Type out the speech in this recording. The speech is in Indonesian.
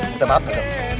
minta maaf bapak